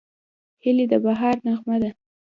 هیلۍ د بهار نغمه ده